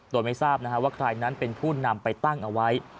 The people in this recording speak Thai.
โดยไม่ทราบว่าใครนั้นเป็นผู้นำไปตั้งเอาไว้